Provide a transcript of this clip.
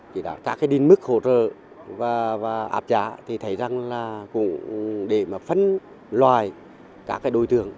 các cái điên mức khổ trợ và áp giá thì thấy rằng là cũng để mà phân loài các cái đối tượng